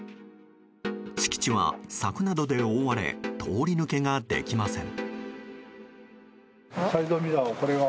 敷地は柵などで覆われ通り抜けができません。